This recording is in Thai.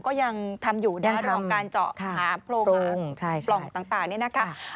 ก็ยังทำอยู่นะเรื่องของการเจาะหาโพรงปล่องต่างนี่นะคะ